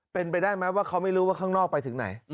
เป็นไปได้ไหมว่าเขาไม่รู้ว่าข้างนอกไปถึงไหน